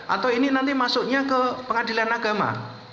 atau ini nanti masuknya ke pengadilan agama